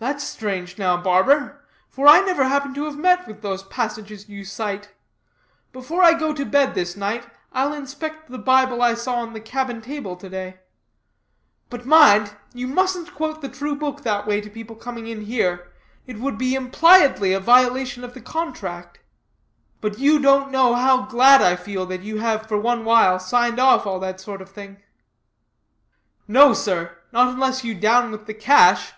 "That's strange, now, barber; for I never happen to have met with those passages you cite. Before I go to bed this night, I'll inspect the Bible I saw on the cabin table, to day. But mind, you mustn't quote the True Book that way to people coming in here; it would be impliedly a violation of the contract. But you don't know how glad I feel that you have for one while signed off all that sort of thing." "No, sir; not unless you down with the cash."